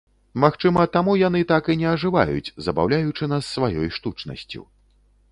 Магчыма, таму яны так і не ажываюць, забаўляючы нас сваёй штучнасцю.